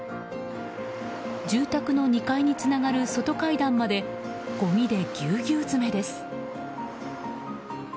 住宅の２階につながる外階段までごみでぎゅうぎゅう詰めです。